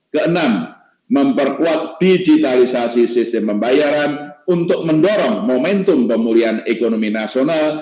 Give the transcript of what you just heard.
keenam memperkuat digitalisasi sistem pembayaran untuk mendorong momentum pemulihan ekonomi nasional